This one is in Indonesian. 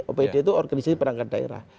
opd itu organisasi perangkat daerah